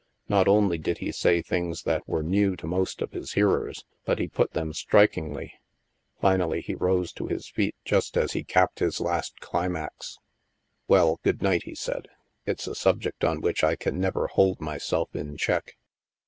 Not only did he say things that were new to most of his hearers, but he put them strikingly. Finally, he rose to his feet just as he capped his last climax. " Well, good night," he said, " it's a subject on which I can never hold myself in check."